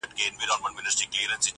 منظم انسان زیات بریالی وي.